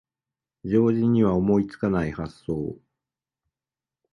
常人には思いつかない発想